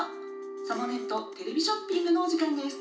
『サボネットテレビショッピング』のおじかんです」。